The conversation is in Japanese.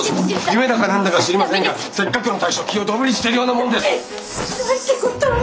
夢だか何だか知りませんがせっかくの退職金をドブに捨てるようなもんです！なんてことを！